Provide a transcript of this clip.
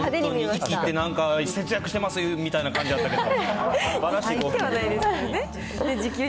いきって、なんか節約してますみたいな感じやったけど。